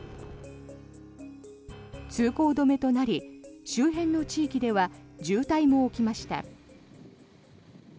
通行止めとなり周辺の地域では渋滞も起きました。